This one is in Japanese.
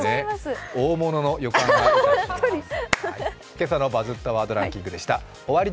大物の予感がいたします。